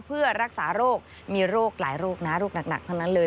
เพื่อรักษาโรคมีโรคหลายโรคนะโรคหนักทั้งนั้นเลย